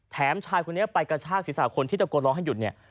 ชายคนนี้ไปกระชากศีรษะคนที่ตะโกนร้องให้หยุดเนี่ย